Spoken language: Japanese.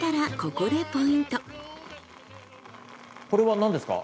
これは何ですか？